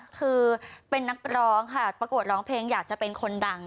คือเป็นนักร้องค่ะประกวดร้องเพลงอยากจะเป็นคนดัง